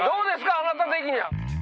あなた的には。